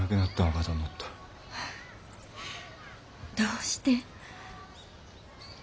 どうして？